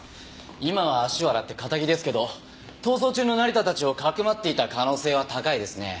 今は足を洗って堅気ですけど逃走中の成田たちをかくまっていた可能性は高いですね。